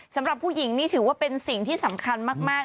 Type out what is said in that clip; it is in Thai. สำหรับผู้หญิงนี่ถือว่าเป็นสิ่งที่สำคัญมาก